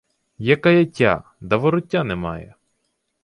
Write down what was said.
Є каяття, да вороття немає.